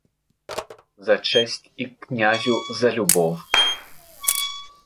За честь і к князю за любов.